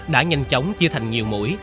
đã nhanh chóng chia thành nhiều mũi